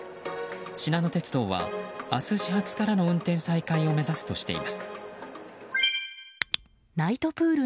しなの鉄道は明日始発からの運転再開を目指すとしています。